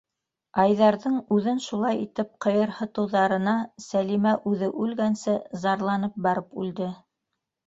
Айҙарҙың үҙен шулай итеп ҡыйырһытыуҙарына Сәлимә үҙе үлгәнсе зарланып барып үлде.